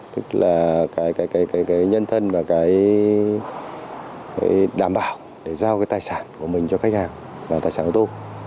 tức là cái nhân thân và cái đảm bảo để giao cái tài sản của mình cho khách hàng và tài sản ô tô